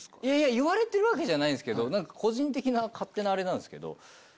言われてるわけじゃないですけど個人的な勝手なあれなんです。